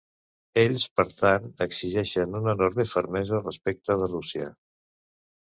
Ells, per tant, exigeixen una enorme fermesa respecte de Rússia.